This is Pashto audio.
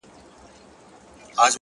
اور يې وي په سترگو کي لمبې کوې؛